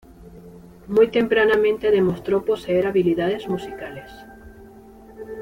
Muy tempranamente demostró poseer habilidades musicales.